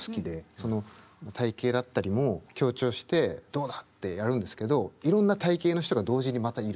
その体型だったりも強調してどうだ！ってやるんですけどいろんな体型の人が同時にまたいるっていう。